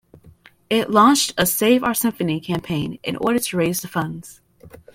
It launched a "Save our Symphony" campaign in order to raise the funds.